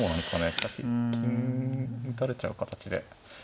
しかし金打たれちゃう形で。